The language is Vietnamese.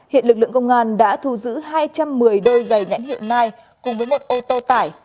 hiện lực lượng công an đã thu giữ hai trăm một mươi đôi giày nhãn hiệu nai cùng với một ô tô tải